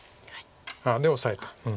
あっでオサえた。